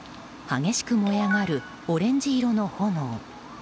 激しく燃え上がるオレンジ色の炎。